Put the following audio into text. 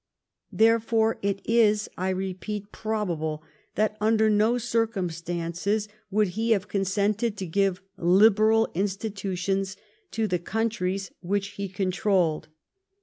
Therefore it is, I repeat, probable, that under no circumstances would he have consented to give liberal institutions to the countries which he controlled.